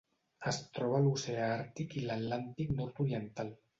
Es troba a l'oceà Àrtic i l'Atlàntic nord-oriental.